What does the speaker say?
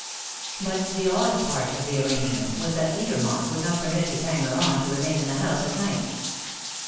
But the odd part of the arrangement was that Edermont would not permit his hanger on to remain in the house at night.